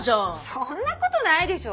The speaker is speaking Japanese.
そんなことないでしょ。